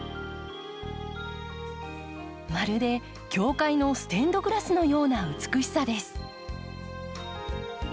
まるで教会のステンドグラスのような美しさです。